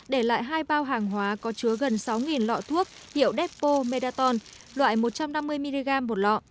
để lại hai bao hàng hóa có chứa gần sáu lọ thuốc hiệu deppo medaton loại một trăm năm mươi mg một lọ